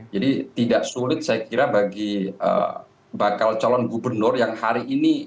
jadi tidak sulit saya kira bagi bakal calon gubernur yang hari ini